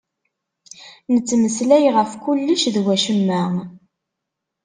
Nettmeslay ɣef kullec d wacemma.